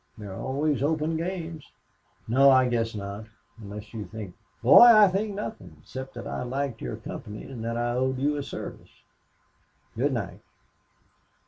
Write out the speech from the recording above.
There are always open games." "No, I guess not unless you think " "Boy, I think nothing except that I liked your company and that I owed you a service. Good night."